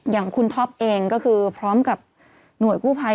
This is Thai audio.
อย่างคุณท็อปเองก็คือพร้อมกับหน่วยกู้ภัย